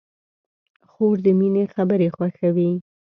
خور د مینې خبرې خوښوي.